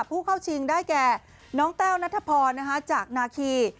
ผู้เข้าชิงได้แก่น้องแต้วนัทพรจากนาคี